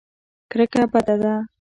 کرکه بده ده.